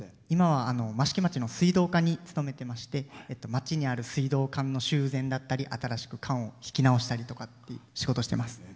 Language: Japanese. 今は益城町の水道課に勤めてまして町にある水道管の修繕だったり新しく管を引き直したりとかっていう仕事してます。